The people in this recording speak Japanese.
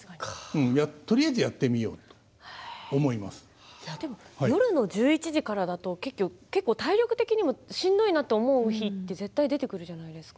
とりあえずやってみようと夜の１１時からだと結構、体力的にもしんどいなと思う日って出てくるじゃないですか。